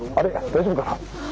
大丈夫かな？